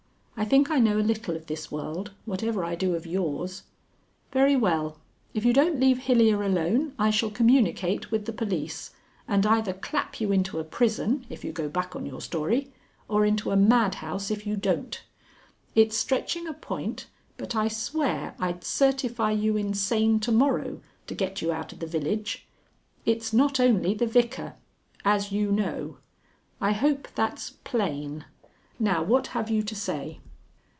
I think I know a little of this world, whatever I do of yours. Very well. If you don't leave Hilyer alone I shall communicate with the police, and either clap you into a prison, if you go back on your story, or into a madhouse if you don't. It's stretching a point, but I swear I'd certify you insane to morrow to get you out of the village. It's not only the Vicar. As you know. I hope that's plain. Now what have you to say?"